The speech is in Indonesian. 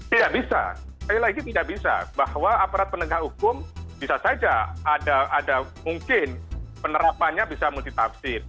tidak bisa sekali lagi tidak bisa bahwa aparat penegak hukum bisa saja ada mungkin penerapannya bisa multitafsir